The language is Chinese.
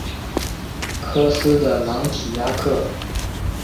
科斯的朗提亚克。